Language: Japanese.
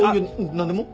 何でも。